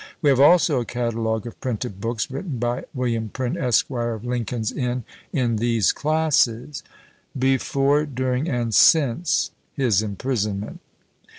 We have also a catalogue of printed books, written by Wm. Prynne, Esq., of Lincoln's Inn, in these classes, BEFORE } DURING } and } his imprisonment.